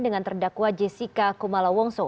dengan terdakwa jessica kumala wongso